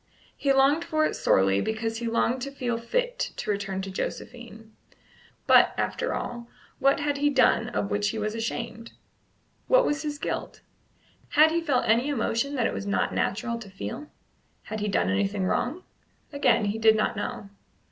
He longed for it sorely, because he longed to feel fit to return to Josephine. But, after all, what had he done of which he was ashamed? What was his guilt? Had he felt any emotion that it was not natural to feel? Had he done anything wrong? Again he did not know.